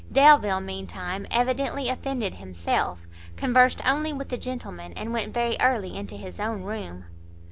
Delvile, mean time, evidently offended himself, conversed only with the gentlemen, and went very early into his own room.